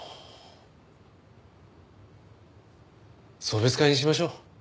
送別会にしましょう。